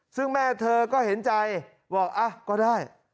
ซึ่งแม่เธอก็เห็นใจบอกก็ได้